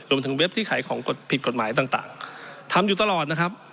รวมถึงเว็บที่ขายของผิดกฎหมายต่างทำอยู่ตลอด